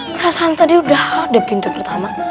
perasaan tadi udah di pintu pertama